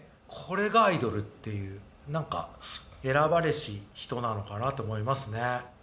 これがアイドルっていう何か選ばれし人なのかなと思いますね